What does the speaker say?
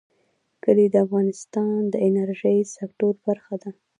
کلي د افغانستان د انرژۍ سکتور برخه ده.